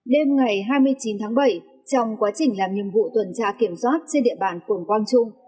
đêm ngày hai mươi chín tháng bảy trong quá trình làm nhiệm vụ tuần tra kiểm soát trên địa bàn phường quang trung